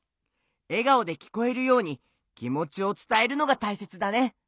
えがおできこえるようにきもちをつたえるのがたいせつだね。